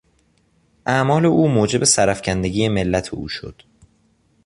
اعمال او موجب سرافکندگی ملت او شد.